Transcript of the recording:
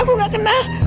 aku gak kenal